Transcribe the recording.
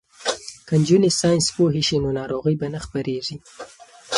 که نجونې ساینس پوهې شي نو ناروغۍ به نه خپریږي.